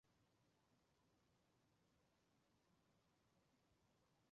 他们的文化与东努沙登加拉省的帝汶岛和弗洛勒斯岛的文化也有相似之处。